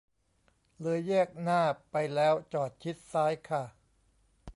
เลยแยกหน้าไปแล้วจอดชิดซ้ายค่ะ